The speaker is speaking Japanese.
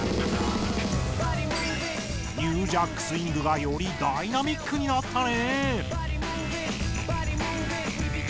ニュージャックスイングがよりダイナミックになったね！